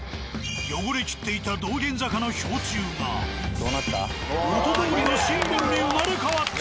汚れきっていた道玄坂の標柱が元どおりのシンボルに生まれ変わった。